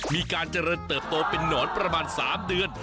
มีการเจริญเติบโตเป็นนอนประมาณ๓เดือน